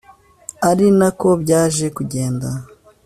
ari nako byaje kugenda